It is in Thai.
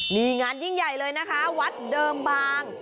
มีงานยิ่งใหญ่เลยนะคะวัดเดิมบาง